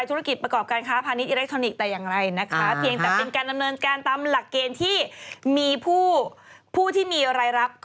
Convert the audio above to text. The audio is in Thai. อีกสามกันวันยังเป็นเดือนแล้วถูก